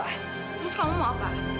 terus kamu mau apa